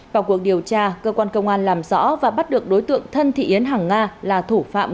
vào cuộc điều tra cơ quan công an làm rõ và bắt được đối tượng thân thị yến hàng nga là thủ phạm